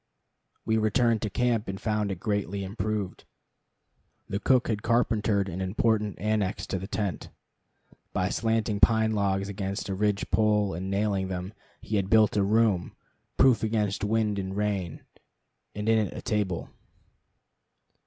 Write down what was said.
We returned to camp, and found it greatly improved. The cook had carpentered an important annex to the tent. By slanting pine logs against a ridge pole and nailing them, he had built a room, proof against wind and rain, and in it a table.